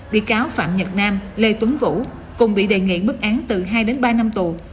bị cáo phạm nhật nam lê tuấn vũ cùng bị đề nghị mức án từ hai đến ba năm tù